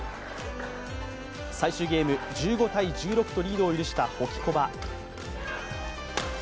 最終ゲーム、１５−１６とリードを許したホキコバ。